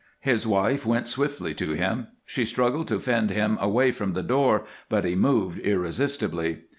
His wife went swiftly to him; she struggled to fend him away from the door, but he moved irresistibly.